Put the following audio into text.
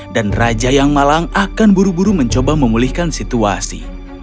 raja yang malang akan buru buru mencoba memulihkan situasi